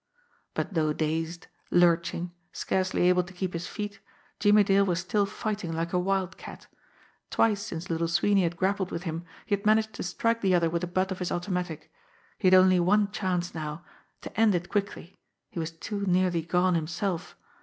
But though dazed, lurching, scarcely able to keep his feet, Jimmie Dale was still fighting like a wildcat. Twice since Little Sweeney had grappled with him, he had managed to strike the other with the butt of his automatic. He had only one chance now to end it quickly he was too nearly gone himself.